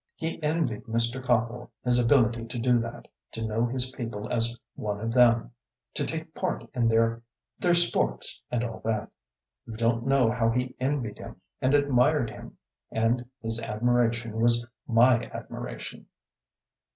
He envied Mr. Copple his ability to do that, to know his people as one of them, to take part in their their sports and all that. You don't know how he envied him and admired him. And his admiration was my admiration.